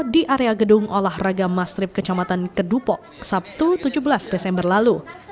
di area gedung olahraga mastrip kecamatan kedupok sabtu tujuh belas desember lalu